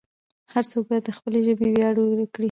هر څوک باید د خپلې ژبې ویاړ وکړي.